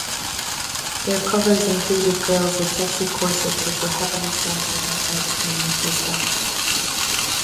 Their covers included girls with sexy corsets, which were heavily censored outside Spain.